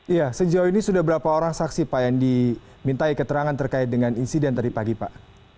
iya sejauh ini sudah berapa orang saksi pak yang dimintai keterangan terkait dengan insiden tadi pagi pak